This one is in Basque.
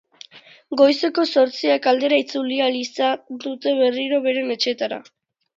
Goizeko zortziak aldera itzuli ahal izan dute berriro beren etxeetara.